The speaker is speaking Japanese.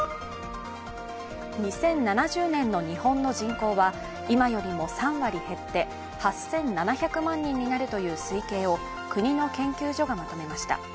２０７０年の日本の人口は今よりも３割減って８７００万人になるという推計を国の研究所がまとめました。